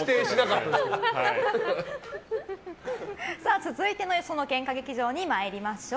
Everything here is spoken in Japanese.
続いてのよその喧嘩劇場に参りましょう。